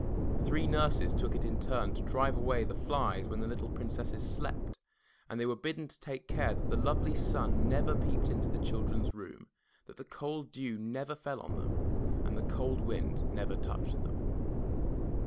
Three nurses took it in turn to drive away the flies when the little Princesses slept, and they were bidden to take care that the lovely sun never peeped into the children's room, that the cold dew never fell on them, and the cold wind never touched them.